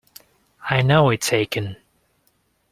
I know it's aching.